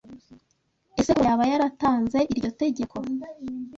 Ese Kuro yaba yaratanze iryo tegeko